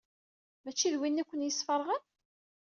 Mačči d winna i ken-yesfeṛɣen?